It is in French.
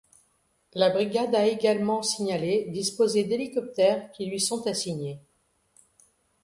La brigade a également signalé disposer d’hélicoptères qui lui sont assignés.